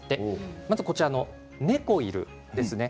まず「ねこいる！」です。